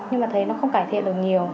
nhưng mà thấy nó không cải thiện được nhiều